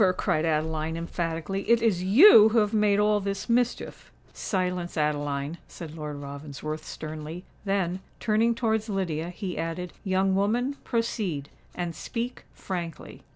cried Adeline, emphatically. "It is you who have made all this mischief!" "Silence, Adeline," said Lord Ravensworth, sternly; then, turning towards Lydia, he added, "Young woman, proceed—and speak frankly."